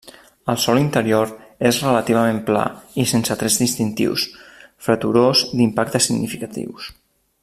El sòl interior és relativament pla i sense trets distintius, freturós d'impactes significatius.